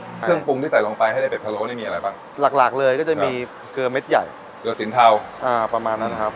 เครื่องปรุงที่ใส่ลงไปให้ในเป็ะโล้นี่มีอะไรบ้างหลักหลักเลยก็จะมีเกลือเม็ดใหญ่เกลือสินเทาอ่าประมาณนั้นนะครับ